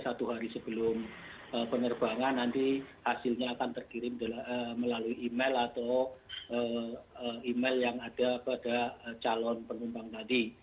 satu hari sebelum penerbangan nanti hasilnya akan terkirim melalui email atau email yang ada pada calon penumpang tadi